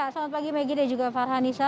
selamat pagi maggie dan juga farhanisa